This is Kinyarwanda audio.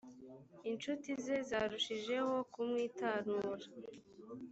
incuti ze zarushijeho kumwitarura